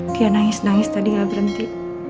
dia nangis nangis tadi gak berhenti